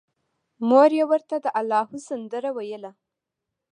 مور یې ورته د اللاهو سندره ویله